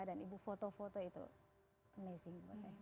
dan ibu foto foto itu amazing buat saya